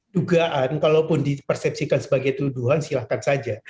dugaan kalaupun dipersepsikan sebagai tuduhan silahkan saja